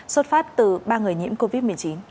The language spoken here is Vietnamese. xuất phát từ ba người nhiễm covid một mươi chín